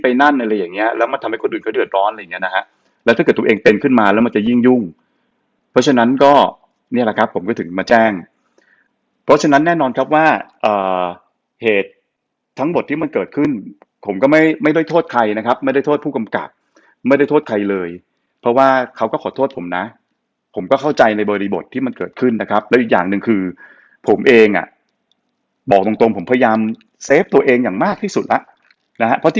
เพราะฉะนั้นก็นี่แหละครับผมก็ถึงมาแจ้งเพราะฉะนั้นแน่นอนครับว่าเอ่อเหตุทั้งหมดที่มันเกิดขึ้นผมก็ไม่ไม่ได้โทษใครนะครับไม่ได้โทษผู้กำกับไม่ได้โทษใครเลยเพราะว่าเขาก็ขอโทษผมนะผมก็เข้าใจในบริบทที่มันเกิดขึ้นนะครับแล้วอีกอย่างหนึ่งคือผมเองอ่ะบอกตรงตรงผมพยายามเซฟตัวเองอย่างมากท